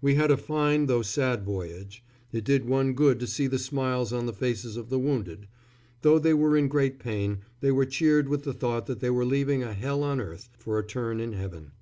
We had a fine though sad voyage. It did one good to see the smiles on the faces of the wounded. Though they were in great pain, they were cheered with the thought that they were leaving a hell on earth for a turn in heaven.